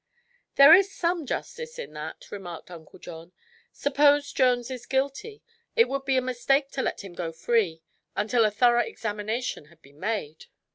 "There is some justice in that," remarked Uncle John. "Suppose Jones is guilty; it would be a mistake to let him go free until a thorough examination had been made."